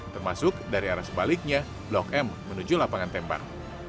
termasuk dari arah sebaliknya blok m menuju lapangan tembak